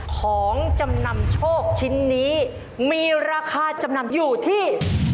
ของจำนำโชคชิ้นนี้มีราคาจำนำอยู่ที่